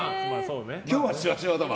今日はシワシワだわ。